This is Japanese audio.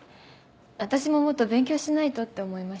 私ももっと勉強しないとって思いました。